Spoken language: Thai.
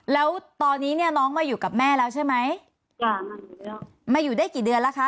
แล้วตอนนี้เนี่ยน้องมาอยู่กับแม่แล้วใช่ไหมจ้ะมาอยู่ได้กี่เดือนแล้วคะ